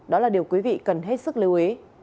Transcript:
đó là điều quý vị cần hết sức lưu ý